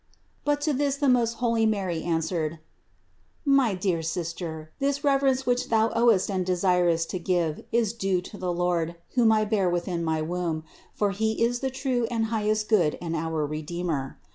To this the most holy Mary answered : "My dear sister, this reverence which thou owest and desirest to give, is due to the Lord, whom I bear within my womb, for He is the true and highest Good and our Redeemer.